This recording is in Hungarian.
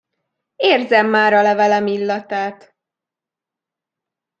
Érzem már a levelem illatát!